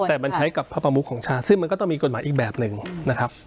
แต่มันใช้กับพระประมุขของชาติซึ่งมันก็ต้องมีกฎหมายอีกแบบหนึ่งนะครับ